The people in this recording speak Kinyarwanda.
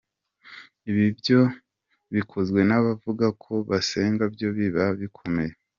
Ibi iyo bikozwe n’abavuga ko basenga byo biba bikomeye.